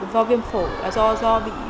do viêm phổ do bị